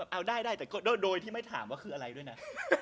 เอาได้ได้แต่โดยที่ไม่ถามว่าคืออะไรด้วยนะ